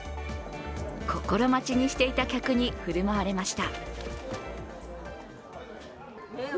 心待ちにしていた客に振る舞われました。